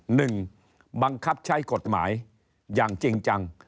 หนึ่งบังคับใช้กฎหมายอย่างจริงจัง